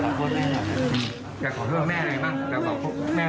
อยากขอพุกแม่ตกแม่หน่อย